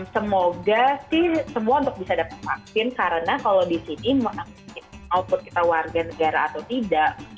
semoga sih semua untuk bisa dapat vaksin karena kalau di sini output kita warga negara atau tidak